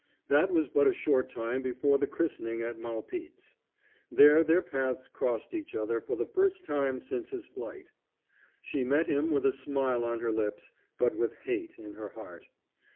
That was but a short time before the christening at Malpete's. There their paths crossed each other for the first time since his flight. She met him with a smile on her lips, but with hate in her heart.